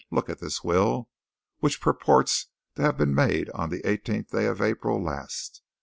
"Look at this will, which purports to have been made on the eighteenth day of April last.